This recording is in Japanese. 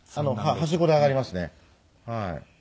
はしごで上がりますね。